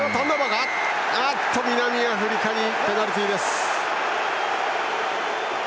しかし南アフリカにペナルティーです。